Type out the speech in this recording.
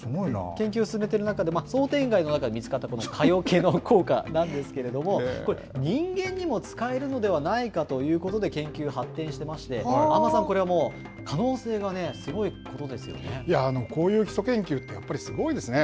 研究を進めていく中で、想定外のことが見つかった蚊よけの効果なんですけれども、人間にも使えるのではないかということで、研究発展していまして、安間さん、これはもう、可能性はすごいことこういう基礎研究ってやっぱりすごいですね。